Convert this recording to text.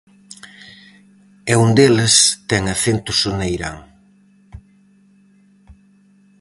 E un deles ten acento soneirán.